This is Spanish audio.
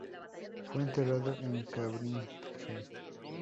Fue enterrado en Cambridge.